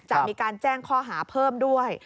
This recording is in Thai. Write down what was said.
จะมีการแจ้งข้อหาเพิ่มด้วย